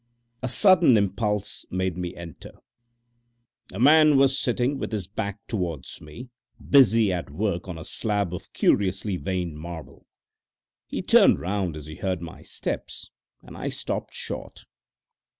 A sudden impulse made me enter. A man was sitting with his back towards me, busy at work on a slab of curiously veined marble. He turned round as he heard my steps and I stopped short.